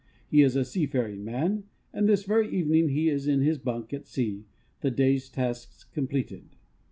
He is a seafaring man, and this very evening he is in his bunk, at sea, the day's tasks completed.